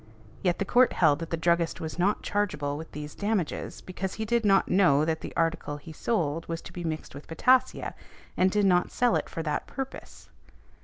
Yet the Court held that the druggist was not chargeable with these damages, because he did not know that the article he sold was to be mixed with potassia, and did not sell it for that purpose.